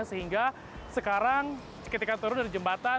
sehingga sekarang ketika turun dari jembatan